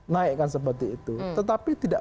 naik kan seperti itu tetapi tidak